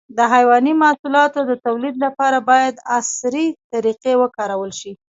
د حيواني محصولاتو د تولید لپاره باید عصري طریقې وکارول شي.